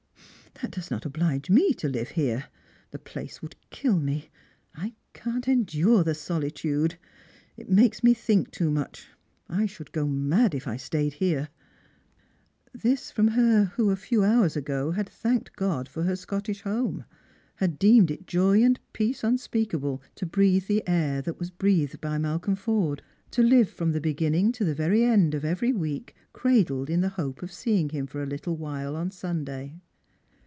" That does not oblige me to hve here. The place would kill me. I can't endure the solitude. It makes me think too much. I should go mad if I stayed here." This from her, who a few hours ago had thanked God for her Scottish home, had deemed it joy and jDcace unspeakable to breathe the air that was breathed by Malcolm Forde, to live from the beginning to the end of every week cradled in the hope of seeing him for a little while on Sunday